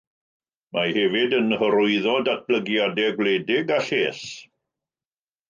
Mae hefyd yn hyrwyddo datblygiadau gwledig a lles.